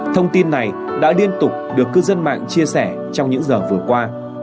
thông tin này đã liên tục được cư dân mạng chia sẻ trong những giờ vừa qua